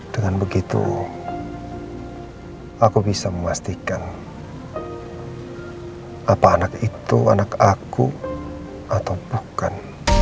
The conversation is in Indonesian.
dengan begitu aku bisa memastikan apa anak itu anak aku atau bukan